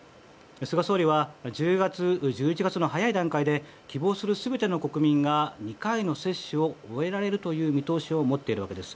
菅総理は１０月、１１月の早い段階で希望する全ての国民が２回の接種を終えられるという見通しを持っているわけです。